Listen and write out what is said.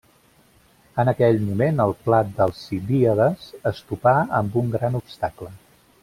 En aquell moment, el pla d'Alcibíades es topà amb un gran obstacle.